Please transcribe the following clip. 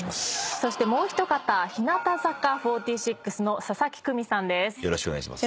そしてもう一方「日向坂４６」の佐々木久美さんです。